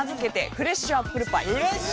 フレッシュアップルパイ！